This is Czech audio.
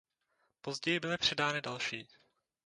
Později byly přidány další.